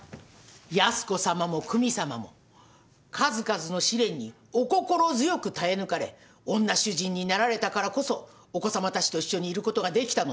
八寿子さまも久美さまも数々の試練にお心強く耐え抜かれ女主人になられたからこそお子さまたちと一緒にいることができたのです。